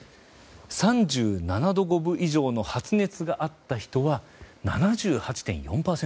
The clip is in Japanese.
３７度５分以上の発熱があった人は７８．４％。